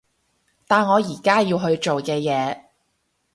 但我而家要去做嘅嘢